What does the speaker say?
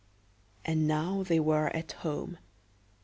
And now they were at home.